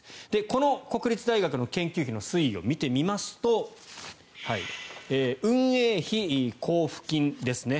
この国立大学の研究費の推移を見てみますと運営費交付金ですね